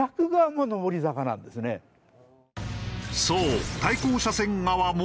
そう。